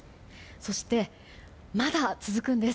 そして、まだ続くんです。